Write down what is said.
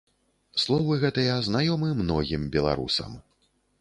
Словы гэтыя знаёмы многім беларусам.